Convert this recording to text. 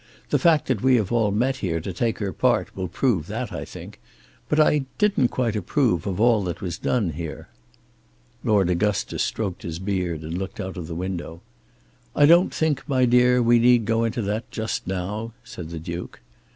The fact that we have all met here to take her part will prove that, I think. But I didn't quite approve of all that was done here." Lord Augustus stroked his beard and looked out of the window. "I don't think, my dear, we need go into that just now," said the Duke.